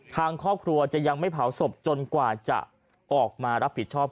ทางครอบครัวจะยังไม่เผาศพจนกว่าจะออกมารับผิดชอบ